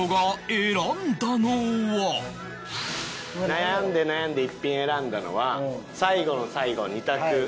悩んで悩んで１品選んだのは最後の最後２択。